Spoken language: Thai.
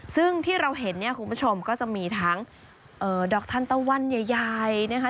ซึ่งที่เราเห็นเนี่ยคุณผู้ชมก็จะมีทั้งดอกทันตะวันใหญ่นะคะ